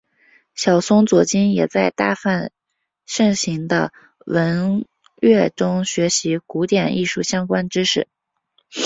小松左京也在大阪盛行的文乐中学习古典艺术相关知识。